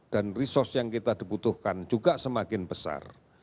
dan resurs yang kita butuhkan juga semakin besar